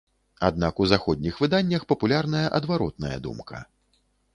Аднак у заходніх выданнях папулярная адваротная думка.